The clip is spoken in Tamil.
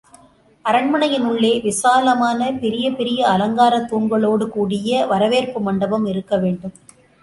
அரண்மனையின் உள்ளே விசாலமான, பெரிய பெரிய அலங்காரத் தூண்களோடு கூடிய, வரவேற்பு மண்டபம் இருக்க வேண்டும்.